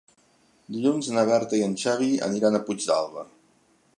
Dilluns na Berta i en Xavi aniran a Puigdàlber.